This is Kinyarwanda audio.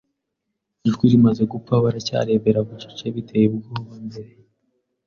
Ijwi rimaze gupfa baracyarebera bucece, biteye ubwoba, mbere